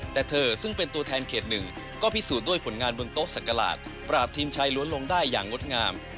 แต่เธอซึ่งเป็นตัวแทนเขตหนึ่งก็พิสูจน์ด้วยผลงานบนโต๊ะสักกระหลาดปราบทีมชายล้วนลงได้อย่างงดงาม